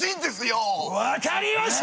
わかりました！